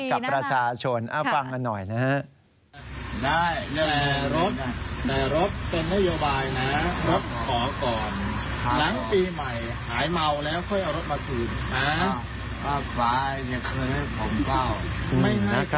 กับประชาชนฟังกันหน่อยนะฮะ